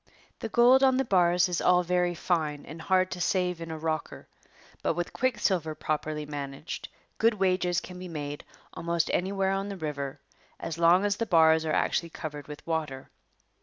The gold on the bars is all very fine and hard to save in a rocker, but with quicksilver properly managed, good wages can be made almost anywhere on the river as long as the bars are actually covered with water.